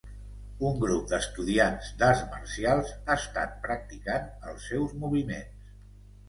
Un grup d'estudiants d'arts marcials estan practicant els seus moviments.